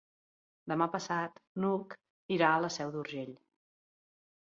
Demà passat n'Hug irà a la Seu d'Urgell.